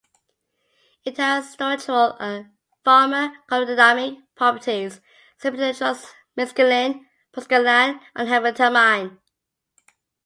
It has structural and pharmacodynamic properties similar to the drugs mescaline, proscaline, and amphetamine.